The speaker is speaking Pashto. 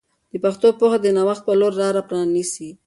د پښتو پوهه د نوښت په لور لاره پرانیسي.